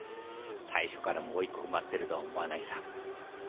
最初からもう一個埋まってるとは思わないさ。